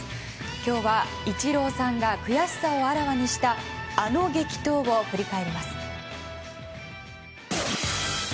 今日は、イチローさんが悔しさをあらわにしたあの激闘を振り返ります。